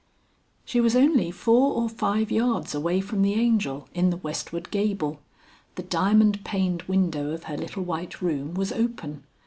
XL. She was only four or five yards away from the Angel in the westward gable. The diamond paned window of her little white room was open.